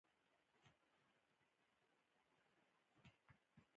سپین ږیری د خپل کلتور په اړه فخر کوي